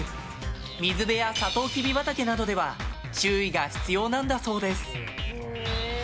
水辺やサトウキビ畑などでは注意が必要なんだっそうです。